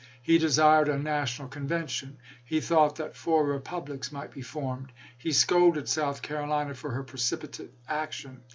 He desired a national convention. He thought that four re publics might be formed. He scolded South Caro lina for her precipitate action.